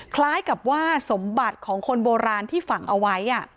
คล้ายกับว่าสมบัติของคนโบราณที่ฝังเอาไว้